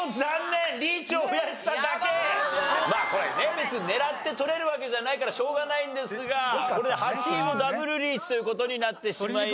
これね別に狙って取れるわけじゃないからしょうがないんですがこれで８位もダブルリーチという事になってしまいました。